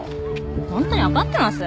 本当にわかってます？